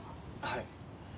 はい。